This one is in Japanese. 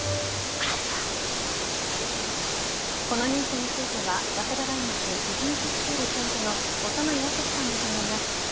このニュースについては早稲田大学ビジネススクール教授の長内厚さんに伺います。